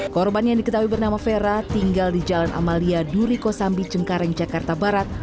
korban yang diketahui bernama vera tinggal di jalan amalia duriko sambi cengkareng jakarta barat